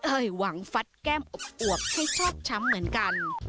หวังฟัดแก้มอบให้ชอบช้ำเหมือนกัน